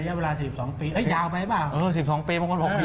ได้ผลตอบแทน๑๖๐๐กว่าบาทในระยะเวลา๑๒ปี